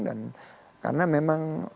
dan karena memang